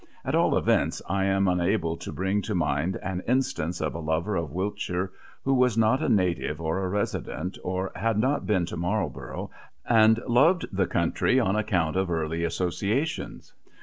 At all events I am unable to bring to mind an instance of a lover of Wiltshire who was not a native or a resident, or had not been to Marlborough and loved the country on account of early associations.